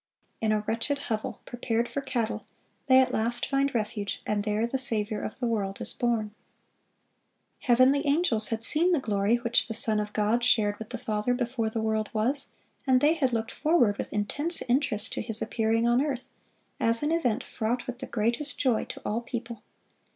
In a wretched hovel prepared for cattle, they at last find refuge, and there the Saviour of the world is born. Heavenly angels had seen the glory which the Son of God shared with the Father before the world was, and they had looked forward with intense interest to His appearing on earth, as an event fraught with the greatest joy to all people.